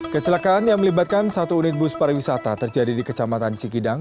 kecelakaan yang melibatkan satu unit bus pariwisata terjadi di kecamatan cikidang